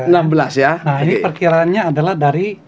nah ini perkiraannya adalah dari